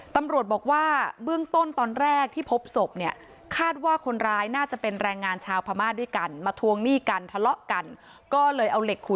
ตำรวจบอกว่าเบื้องต้นตอนแรกที่พบศพเนี่ย